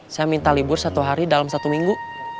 saya minta libur satu hari dalam satu minggu